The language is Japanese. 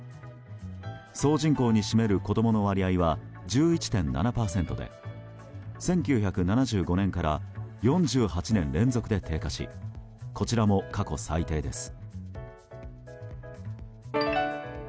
総人口に占める子供の割合は１１．７％で１９７５年から４８年連続で低下しこちらも過去最低です。